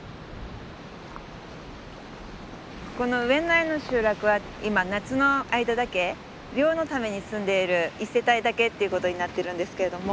ここの宇遠内の集落は今夏の間だけ漁のために住んでいる１世帯だけっていうことになってるんですけれども。